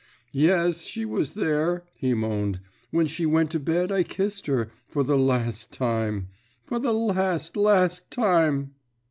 "Yes, she was there," he moaned. "When she went to bed I kissed her. For the last time! For the last, last time!"